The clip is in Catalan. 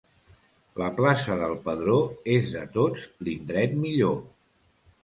La plaça del Pedró és de tots l'indret millor.